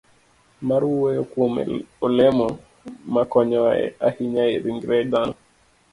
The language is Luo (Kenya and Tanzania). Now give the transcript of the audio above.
mar wuoyo kuom olemo makonyowa ahinya e ringre dhano,